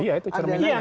iya itu cerminan ya